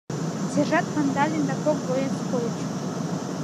Сержант Кандалин да кок боец койыч.